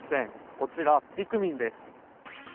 こちら、ピクミンです。